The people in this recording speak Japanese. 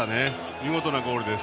見事なゴールです。